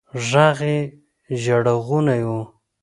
ږغ يې ژړغونى و.